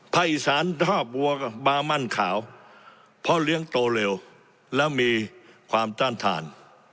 อีสานท่าวัวกับบามั่นขาวเพราะเลี้ยงโตเร็วแล้วมีความต้านทาน